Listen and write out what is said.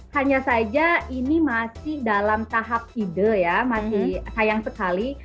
hanya saja ini masih dalam tahap ide ya masih sayang sekali